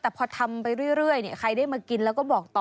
แต่พอทำไปเรื่อยใครได้มากินแล้วก็บอกต่อ